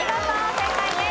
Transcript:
正解です。